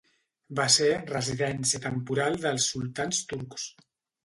Va ser residència temporal dels sultans turcs.